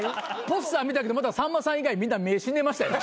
ポスター見たけどまたさんまさん以外みんな目死んでましたよ。